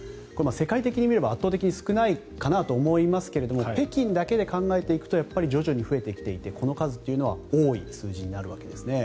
世界的に見れば圧倒的に少ないのかなと思いますが北京だけで考えていくと徐々に増えてきていてこの数というのは多い数字になるわけですね。